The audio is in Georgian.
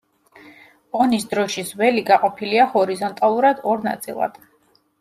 ონის დროშის ველი გაყოფილია ჰორიზონტალურად ორ ნაწილად.